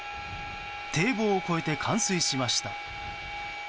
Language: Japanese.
堤防を越えて冠水しました。